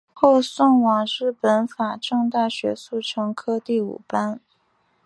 后送往日本法政大学速成科第五班。